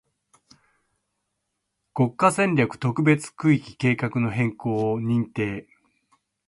国家戦略特別区域計画の変更を認定